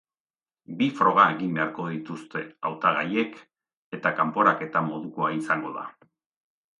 Bi froga egin beharko dituzte hautagaiek, eta kanporaketa modukoa izango da.